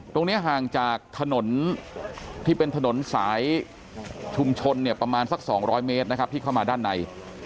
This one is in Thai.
ตรงนี้ห่างจากถนนที่เป็นถนนสายชุมชนเนี่ยประมาณสัก๒๐๐เมตรนะครับที่เข้ามาด้านใน